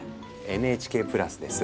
ＮＨＫプラスです。